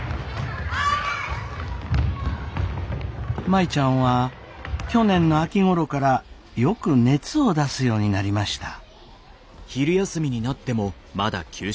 舞ちゃんは去年の秋ごろからよく熱を出すようになりました。